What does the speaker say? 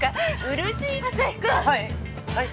はい！